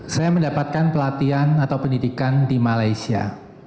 saya mendapatkan pelatihan atau pendidikan di malaysia